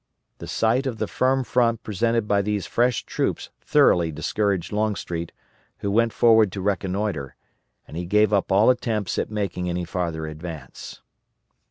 The sight of the firm front presented by these fresh troops thoroughly discouraged Longstreet, who went forward to reconnoitre, and he gave up all attempts at making any farther advance.